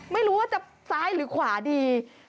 ไม่รู้ว่าจะซ้ายหรือขวาดี